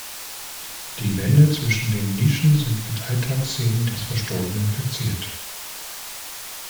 Die Wände zwischen den Nischen sind mit Alltagsszenen des Verstorbenen verziert.